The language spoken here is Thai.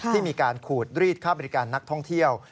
ที่มีการขูดรีดค่าบริการนักท่องเที่ยว